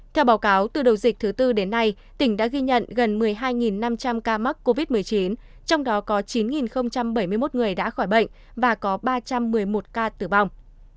theo báo cáo từ đầu dịch thứ tư đến nay tỉnh đã ghi nhận gần một mươi hai năm trăm linh ca mắc covid một mươi chín trong đó có chín bảy mươi một người đã khỏi bệnh và có ba trăm một mươi một ca tử vong